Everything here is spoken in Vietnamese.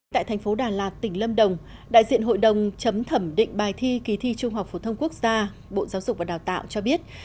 tại thành phố đà lạt tỉnh lâm đồng đại diện hội đồng chấm thẩm định bài thi kỳ thi trung học phổ thông quốc gia bộ giáo dục và đào tạo cho biết